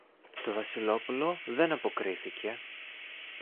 Το Βασιλόπουλο δεν αποκρίθηκε.